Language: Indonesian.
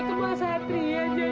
ke mas satri ya jah